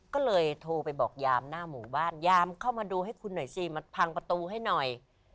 ก็เลยโทรไปบอกยามหน้าหมู่บ้านยามเข้ามาดูให้คุณหน่อยสิมาพังประตูให้หน่อย